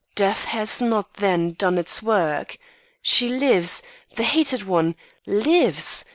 death has not, then, done its work. She lives the hated one lives!